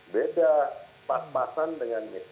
beda pas pasan dengan